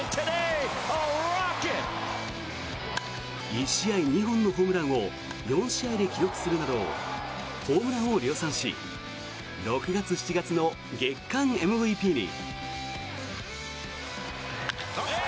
１試合２本のホームランを４試合で記録するなどホームランを量産し６月、７月の月間ＭＶＰに。